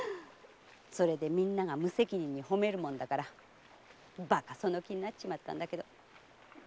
それでみんなが無責任に褒めるもんだからバカがその気になっちまったんだけど。